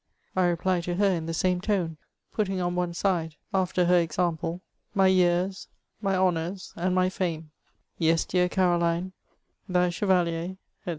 I reply to her in the same tone, putting on one side, after her example, my years, my honours, and my fame :'^ yes, dear Caroline, thy chevalier,^ &c.